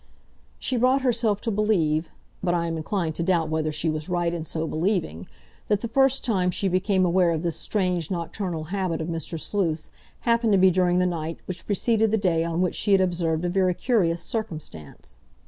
She brought herself to believe—but I am inclined to doubt whether she was right in so believing—that the first time she became aware of this strange nocturnal habit of Mr. Sleuth's happened to be during the night which preceded the day on which she had observed a very curious circumstance.